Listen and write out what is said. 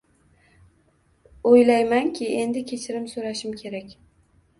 “O‘ylaymanki, endi kechirim so‘rashim kerak”.